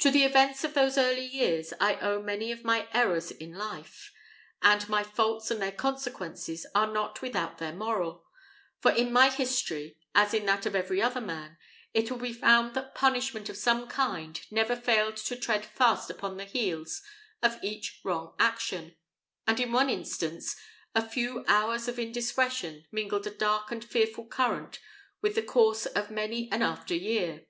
To the events of those early years I owe many of my errors in life; and my faults and their consequences are not without their moral: for in my history, as in that of every other man, it will be found that punishment of some kind never failed to tread fast upon the heels of each wrong action; and in one instance, a few hours of indiscretion mingled a dark and fearful current with the course of many an after year.